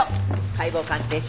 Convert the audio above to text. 解剖鑑定書。